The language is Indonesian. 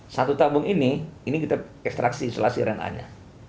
satu tabung ini ini kita ekstraksi isolasi rna nya